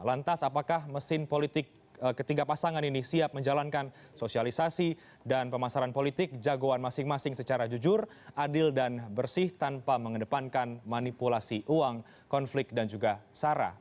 lantas apakah mesin politik ketiga pasangan ini siap menjalankan sosialisasi dan pemasaran politik jagoan masing masing secara jujur adil dan bersih tanpa mengedepankan manipulasi uang konflik dan juga sara